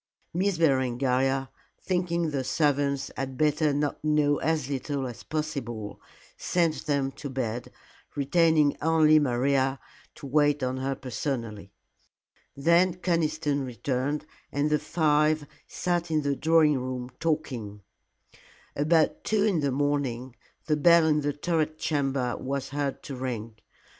Miss Berengaria, thinking the servants had better know as little as possible, sent them to bed, retaining only Maria to wait on her personally. Then Conniston returned, and the five sat in the drawing room talking. About two in the morning the bell in the turret chamber was heard to ring.